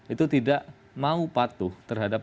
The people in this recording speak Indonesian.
itu tidak mau patuh terhadap